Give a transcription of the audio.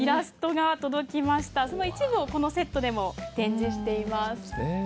その一部をこのセットでも展示しています。